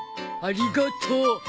ありがとう。